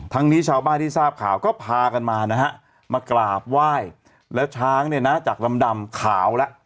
นี้ชาวบ้านที่ทราบข่าวก็พากันมานะฮะมากราบไหว้แล้วช้างเนี่ยนะจากดำขาวแล้ว